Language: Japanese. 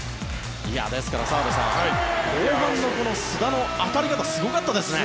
ですから、澤部さん後半の須田の当たり方すごかったですね。